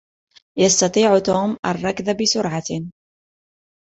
يستطيع توم الركض بسرعة.